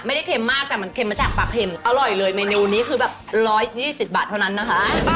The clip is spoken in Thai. เค็มมากแต่มันเค็มมาจากปลาเข็มอร่อยเลยเมนูนี้คือแบบ๑๒๐บาทเท่านั้นนะคะ